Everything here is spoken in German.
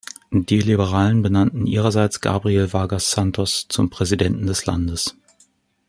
Die Liberalen benannten ihrerseits Gabriel Vargas Santos zum Präsidenten des Landes.